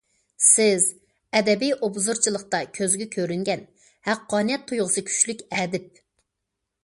سىز ئەدەبىي ئوبزورچىلىقتا كۆزگە كۆرۈنگەن، ھەققانىيەت تۇيغۇسى كۈچلۈك ئەدىب.